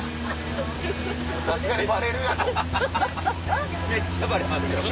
さすがにバレるやろ。